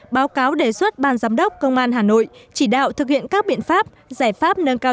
báo cáo đề xuất ban giám đốc công an hà nội chỉ đạo thực hiện các biện pháp giải pháp nâng cao